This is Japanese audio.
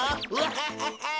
ハハハハ。